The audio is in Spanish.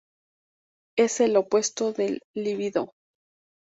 Es el opuesto de la libido.